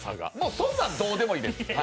そんなんどうでもええです。